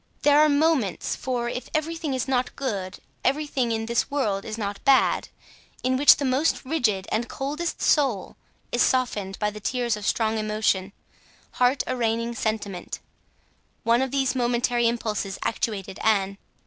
There are moments—for if everything is not good, everything in this world is not bad—in which the most rigid and the coldest soul is softened by the tears of strong emotion, heart arraigning sentiment: one of these momentary impulses actuated Anne.